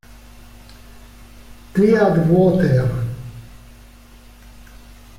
Dead Water